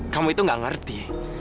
kamu itu gak ngerti